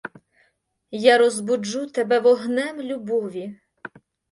Я розбуджу тебе вогнем любові!